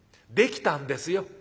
できたんですよ」。